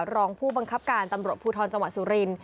รองผู้บังคับการตำรวจภูทรจังหวัดสุรินท